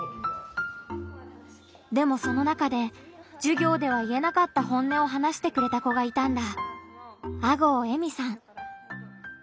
でもその中で授業では言えなかった本音を話してくれた子がいたんだ。